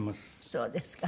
そうですか。